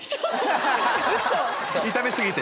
炒め過ぎて？